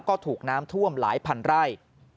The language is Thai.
ก็ถูกน้ำท่วมหลายพันไร่